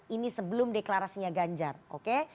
ini sebelum deklarasinya ganjar oke